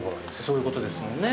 そういうことですもんね。